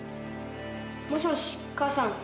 もしもし母さん。